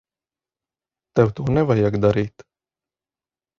Tev to nevajag darīt.